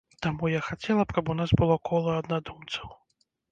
Таму я хацела б, каб у нас было кола аднадумцаў.